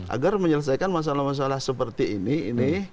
agar menyelesaikan masalah masalah seperti ini ini